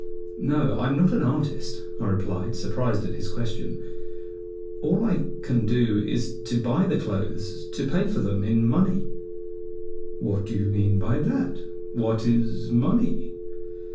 "No, I am not an artist," I replied, surprised at his question. "All I can do is to buy the clothes to pay for them in money." "What do you mean by that? What is money?"